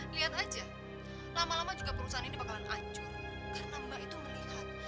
lihat aja lama lama juga perusahaan ini bakalan hancur karena mbak itu melihat